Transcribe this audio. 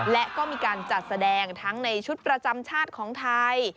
และก็มีการจัดแสดงทั้งในชุดประจำชาติของไทย